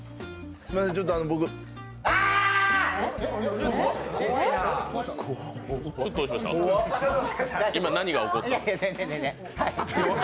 すみません、ちょっと僕あーっ！！